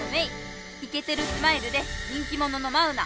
「『イ』ケてるスマイルで人気もののマウ『ナ』」！